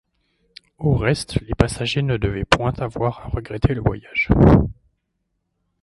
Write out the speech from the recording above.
Au reste les passagers ne devaient point avoir à regretter le voyage.